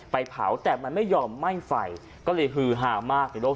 ไปเผาแต่มันไม่ยอมไหม้ไฟก็เลยฮือฮามากในโลก